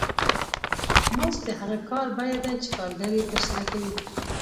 مزد د هغه کار بیه ده چې کارګر یې ترسره کوي